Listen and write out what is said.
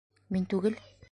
Мин түгел.